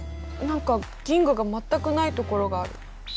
何か銀河が全くないところがある。